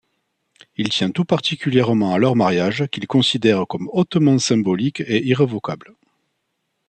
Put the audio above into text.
Il tient tout particulièrement à leur mariage, qu'il considère comme hautement symbolique et irrévocable.